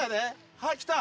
はいきた！